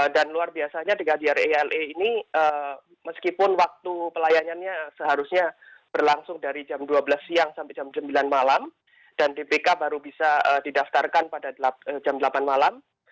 dan luar biasanya di kjri le ini meskipun waktu pelayanannya seharusnya berlangsung dari jam dua belas siang sampai jam sembilan malam dan dpk baru bisa didaftarkan pada jam delapan malam